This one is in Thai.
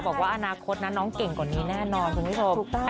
บอกว่าอนาคตนั้นน้องเก่งกว่านี้แน่นอนคุณผู้ชม